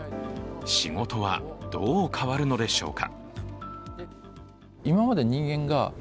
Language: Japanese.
仕事はどう変わるのでしょうか。